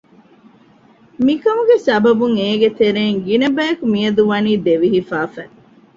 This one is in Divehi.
މިކަމުގެ ސަބަބުން އޭގެ ތެރެއިން ގިނަބަޔަކު މިއަދު ވަނީ ދެވި ހިފައިފަ